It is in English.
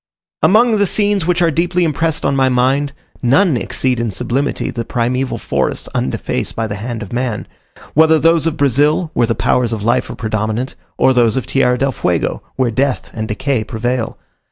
Among the scenes which are deeply impressed on my mind, none exceed in sublimity the primeval forests undefaced by the hand of man; whether those of Brazil, where the powers of Life are predominant, or those of Tierra del Fuego, where Death and decay prevail.